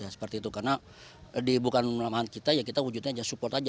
seperti itu karena bukan melamahan kita ya kita wujudnya aja support aja